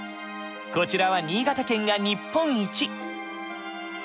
こちらは新潟県が日本一。